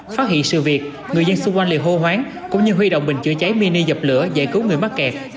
phát hiện sự việc người dân xung quanh liền hô hoáng cũng như huy động bình chữa cháy mini dập lửa giải cứu người mắc kẹt